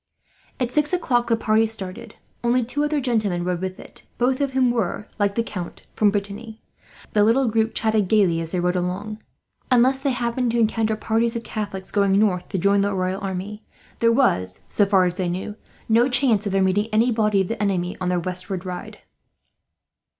At six o'clock the party started. Only two other gentlemen rode with it, both of whom were, like the Count, from Brittany. The little group chatted gaily as they rode along. Unless they happened to encounter parties of Catholics going north, to join the royal army, there was, so far as they knew, no chance of their meeting any body of the enemy on their westward ride.